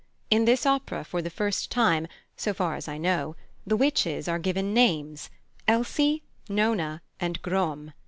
In this opera, for the first time, so far as I know, the witches are given names Elsie, Nona, and Groem.